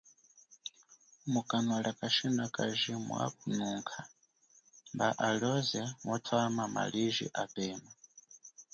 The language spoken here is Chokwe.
Mukanwa lia kashinakaji mwanukha, mba alioze mwatwama maliji apema.